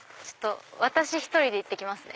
私１人で行って来ますね。